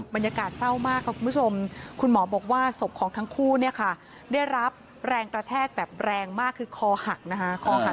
บรรยากาศเศร้ามากค่ะคุณผู้ชมคุณหมอบอกว่าศพของทั้งคู่เนี่ยค่ะได้รับแรงกระแทกแบบแรงมากคือคอหักนะคะคอหัก